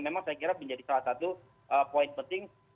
memang saya kira menjadi salah satu poin penting